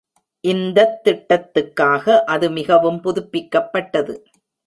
இந்தத் திட்டத்துக்காக அது மிகவும் புதுப்பிக்கப்பட்டது.